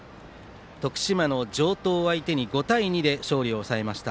徳島の城東を相手に５対２で勝利を収めました。